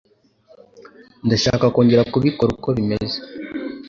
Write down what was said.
Ndashaka kongera kubibona uko bimeze.